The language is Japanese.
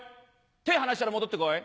手離したら戻ってこい。